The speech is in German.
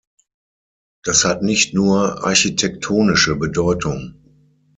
Das hat nicht nur architektonische Bedeutung.